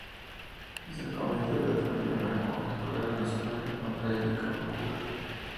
Es el comienzo de otro nuevo año escolar en una escuela secundaria en Kamakura.